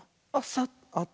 あっ。